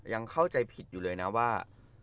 ยังเข้าใจผิดอยู่เลยนะว่า